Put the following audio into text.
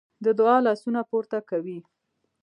د دعا لاسونه پورته کوي.